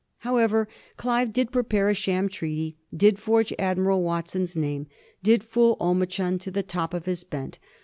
However, Olive did prepare a sham treaty, did forge Admiral Watson's name, did fool Omichund to the top of his bent.